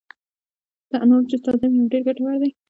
د انارو جوس تازه وي او ډېر ګټور دی.